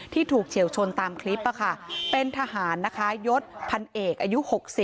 ถูกเฉียวชนตามคลิปเป็นทหารนะคะยศพันเอกอายุ๖๐